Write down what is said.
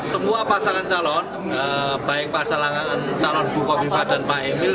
semua pasangan calon baik pasangan calon buko viva dan pak emil